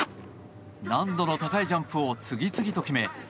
難度の高いジャンプを次々と決め